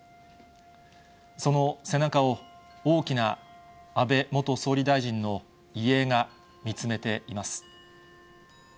その背中を、大きな安倍元総理大臣の遺影が見つめています。